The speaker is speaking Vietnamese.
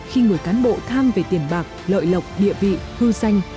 khi người cán bộ tham về tiền bạc lợi lộc địa vị hư danh